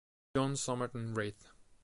John Somerton Wraith.